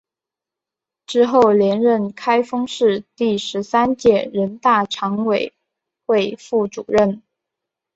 之后连任开封市第十三届人大常委会副主任。